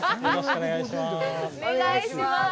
お願いします